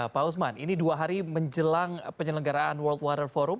pak usman ini dua hari menjelang penyelenggaraan world water forum